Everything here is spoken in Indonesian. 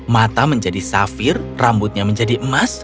mata menjadi safir rambutnya menjadi emas